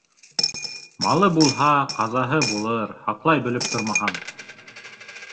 Малы булһа, ҡазаһы булыр, һаҡлай белеп тормаһаң.